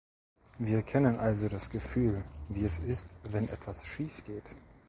Wir kennen also das Gefühl, wie es ist, wenn etwas schiefgeht.